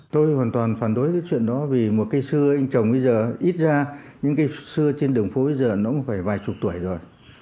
tôi hoàn toàn phản đối cái chuyện đó vì một cây xưa anh chồng bây giờ ít ra những cây xưa trên đường phố bây giờ nó cũng phải vài chục tuổi rồi